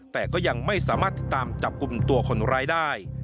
แต่ก็ยังไม่สามารถติดตามจับกลุ่มตัวคนร้ายได้